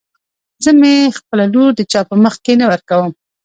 زه مې خپله لور د چا په مخکې نه ورکم.